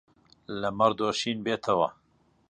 لە مەڕ دۆشین بێتەوە